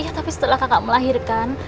ya tapi setelah kakak melahirkan